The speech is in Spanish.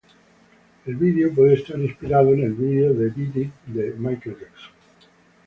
El video puede estar inspirado en el videoclip de Beat It de Michael Jackson.